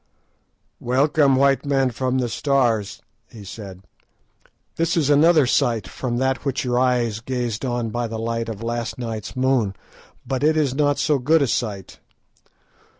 "Welcome, white men from the Stars," he said; "this is another sight from that which your eyes gazed on by the light of last night's moon, but it is not so good a sight.